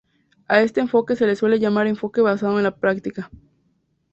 A este enfoque se le suele llamar enfoque basado en la práctica.